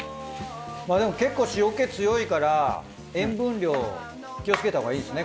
でも結構塩気強いから塩分量気をつけたほうがいいですね